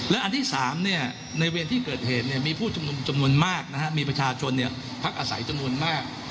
และอันที่๓ในเวรที่เกิดเหตุมีผู้ชุมนุมจำนวนมากมีประชาชนพักอาศัยจำนวนมาก